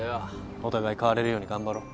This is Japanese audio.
お互い変われるように頑張ろう。